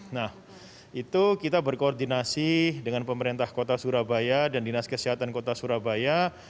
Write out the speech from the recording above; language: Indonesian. nah itu kita berkoordinasi dengan pemerintah kota surabaya dan dinas kesehatan kota surabaya